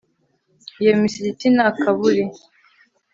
iyo misigiti ni akaburi